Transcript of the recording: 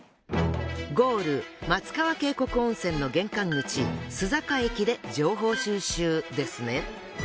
ゴール松川渓谷温泉の玄関口須坂駅で情報収集ですね。